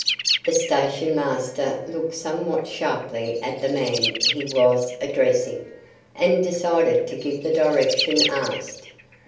The station master looked somewhat sharply at the man he was addressing, and decided to give the direction asked.